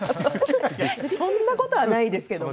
そんなことはないですけど。